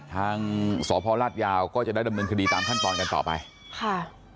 ทางสพลาดยาวก็จะได้ดำเนินคดีตามขั้นตอนกันต่อไปค่ะ